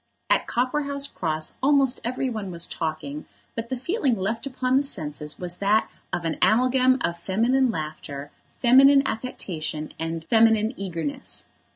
At Copperhouse Cross almost every one was talking, but the feeling left upon the senses was that of an amalgam of feminine laughter, feminine affectation, and feminine eagerness.